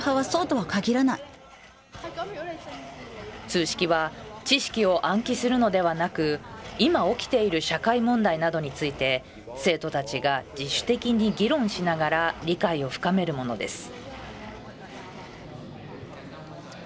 通識は、知識を暗記するのではなく、今起きている社会問題などについて、生徒たちが自主的に議論しながら理解を深めるものです。